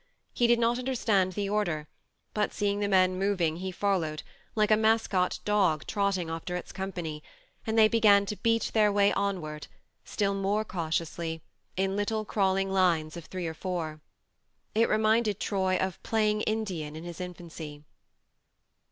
He did not understand the order, but seeing the men moving he followed, like a mascot dog trotting after its company, and they began to beat their way onward, still more 124 THE MARNE cautiously, in little crawling lines of three or four. It reminded Troy of "playing Indian" in his infancy.